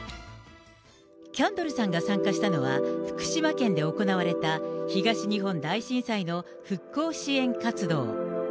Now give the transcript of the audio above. キャンドルさんが参加したのは、福島県で行われた東日本大震災の復興支援活動。